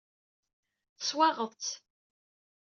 Teswaɣeḍ-tt.